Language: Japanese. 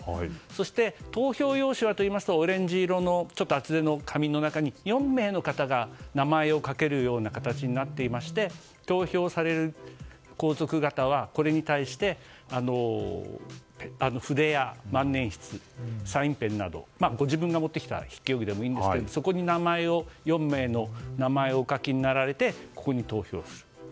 そして投票用紙はといいますとオレンジ色の厚手の紙の中に４名の方が名前を書けるような形になっていまして投票される皇族方はこれに対して筆や万年筆サインペンなど自分が持ってきた筆記用具でもいいんですけどそこに４名の方の名前をお書きになられてここに投票すると。